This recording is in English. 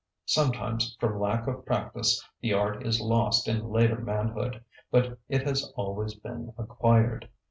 Sometimes from lack of practice the art is lost in later manhood, but it has always been acquired.